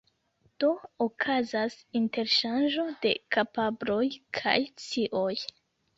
Do okazas interŝanĝo de kapabloj kaj scioj.